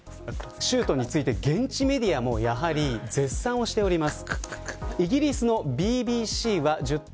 シュートについて現地メディアもやはり絶賛しております。